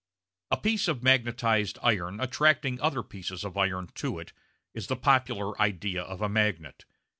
A piece of magnetised iron attracting other pieces of iron to it is the popular idea of a magnet.